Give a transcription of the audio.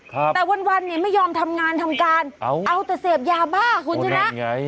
ครับแต่วันนี่ไม่ยอมทำงานทำการเอาแต่เสพยาบ้าคุณชนะ